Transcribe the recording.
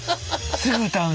すぐ歌うね。